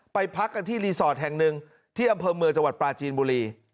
พักกันที่รีสอร์ทแห่งหนึ่งที่อำเภอเมืองจังหวัดปลาจีนบุรี